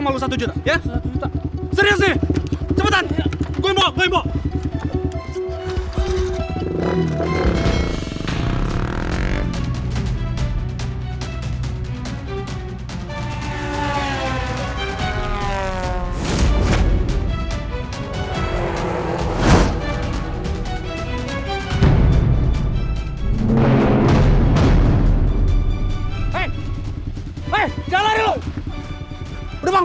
gue tunggu sekarang